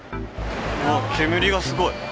煙がすごい。